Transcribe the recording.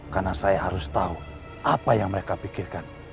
karena saya harus tahu apa yang mereka pikirkan